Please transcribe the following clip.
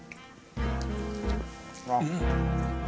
うん！